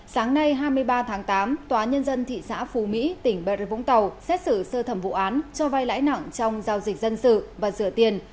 sáng nay hai mươi ba tháng tám tòa nhân dân thị xã phú mỹ tỉnh bà rập vũng tàu xét xử sơ thẩm vụ án cho vai lãi nặng trong giao dịch dân sự và rửa tiền